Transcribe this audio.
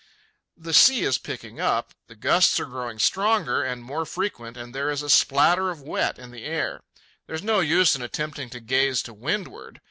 The sea is picking up, the gusts are growing stronger and more frequent, and there is a splatter of wet in the air. There is no use in attempting to gaze to windward.